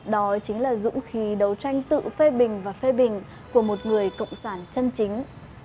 đó chính là dũng khí đấu tranh tự phê bình và phê bình của một người cộng sản chân chính